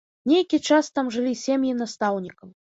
Нейкі час там жылі сем'і настаўнікаў.